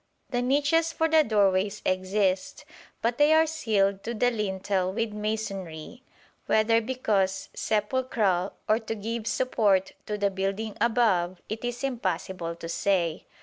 The niches for the doorways exist, but they are sealed to the lintel with masonry, whether because sepulchral or to give support to the building above, it is impossible to say.